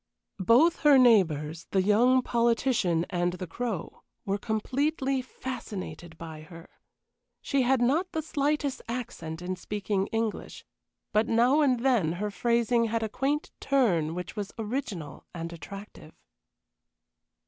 Both her neighbors, the young politician and the Crow, were completely fascinated by her. She had not the slightest accent in speaking English, but now and then her phrasing had a quaint turn which was original and attractive.